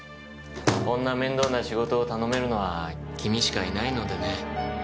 こんな面倒な仕事を頼めるのは君しかいないのでね。